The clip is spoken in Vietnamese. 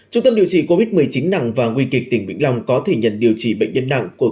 trung tâm điều trị covid một mươi chín nặng và nguy kịch tỉnh vĩnh long có thể nhận điều trị bệnh nhân nặng của